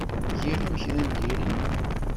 Giɣ-am kra n diri?